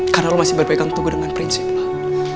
karena lo masih berbaik untuk gue dengan prinsip lo